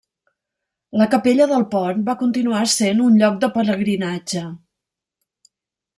La capella del pont van continuar essent un lloc de pelegrinatge.